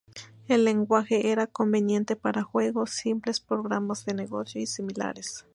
El lenguaje era conveniente para juegos simples, programas de negocio y similares.